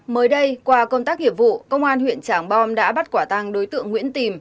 mới đây qua công tác hiệp vụ công an huyện trảng bom đã bắt quả tăng đối tượng nguyễn tìm